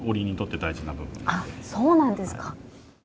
そうなんですか。